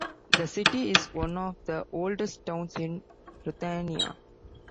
The city is one of the oldest towns in Ruthenia.